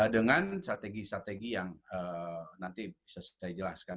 dengan strategi strategi yang nanti bisa saya jelaskan